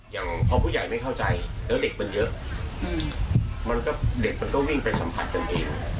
อย่างพอผู้ใหญ่ไม่เข้าใจแล้วเด็กมันเยอะมันก็เด็กมันก็วิ่งไปสัมผัสกันเอง